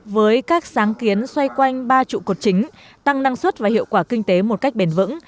với các sáng kiến xoay quanh ba trụ cột chính tăng năng suất và hiệu quả kinh tế một cách bền vững